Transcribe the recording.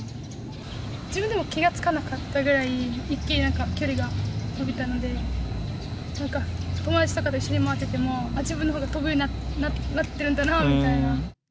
自分でも気が付かなかったくらい一気になんか距離が伸びたので、なんか、友達とかと一緒に回ってても、自分のほうが飛ぶようになってるんだなみたいな。